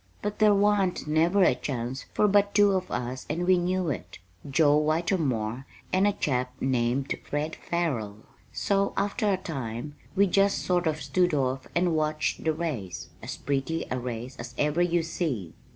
But there wa'n't never a chance for but two of us and we knew it: Joe Whitermore and a chap named Fred Farrell. So, after a time, we just sort of stood off and watched the race as pretty a race as ever you see.